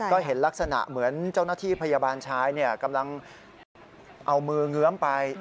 ก็เห็นลักษณะเหมือนเจ้าหน้าที่พยาบาลชายกำลังเอามือเงื้อมไป